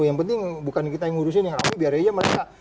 yang penting bukan kita yang ngurusin yang aku biar aja mereka